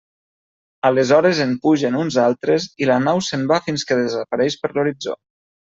Aleshores en pugen uns altres i la nau se'n va fins que desapareix per l'horitzó.